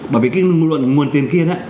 bởi vì cái nguồn tiền kia